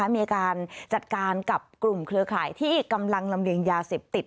มีการจัดการกับกลุ่มเครือข่ายที่กำลังลำเลียงยาเสพติด